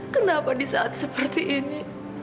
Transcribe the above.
kenapa di saat seperti ini